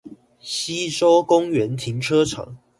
溪洲公園停車場